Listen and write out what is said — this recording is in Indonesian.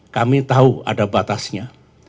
kami tahu ada batasnya